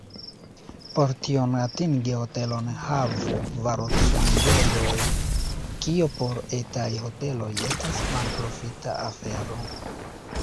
Por tion atingi hotelo havu valutŝanĝejon, kio por etaj hoteloj estas malprofita afero.